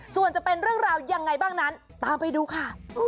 ส่วนจะเป็นเรื่องราวยังไงบ้างนั้นตามไปดูค่ะ